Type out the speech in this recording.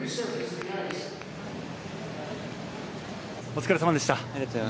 お疲れさまでした。